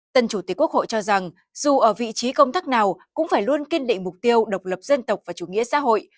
tân chủ tịch quốc hội cho rằng dù ở vị trí công tác nào cũng phải luôn kiên định mục tiêu độc lập dân tộc và chủ nghĩa xã hội